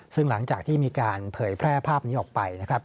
ซึ่งหลังจากที่มีการเผยแพร่ภาพนี้ออกไปนะครับ